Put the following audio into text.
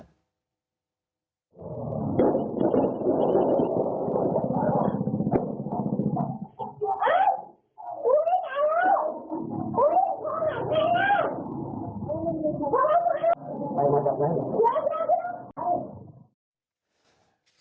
มาจากไหน